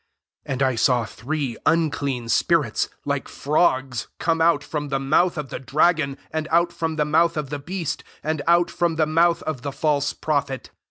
13 And l saw three unclean spirits, like frogs, come out from the mouth of the dragon, and out from the mouth of tlie beast, and out from the mouth of the false prophet.